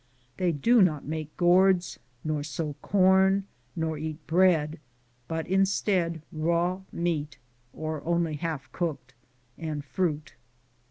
They do not make gourds, nor sow com, nor eat bread, but instead raw meat — or only half cooked — and fruit.